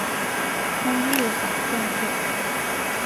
通六法篆刻。